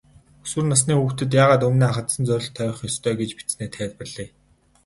Өсвөр насны хүүхэд яагаад өмнөө ахадсан зорилт тавих ёстой гэж бичсэнээ тайлбарлая.